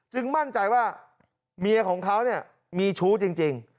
จึงมั่นใจว่าเมียของเขามีชู้จริง